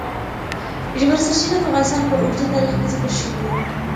ژورې سرچینې د افغانستان په اوږده تاریخ کې ذکر شوی دی.